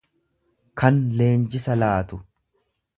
kan leenjisa laatu.